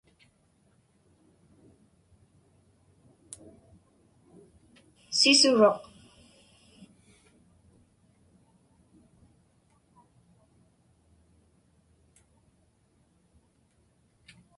Sisuruq.